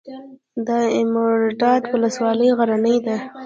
د دایمیرداد ولسوالۍ غرنۍ ده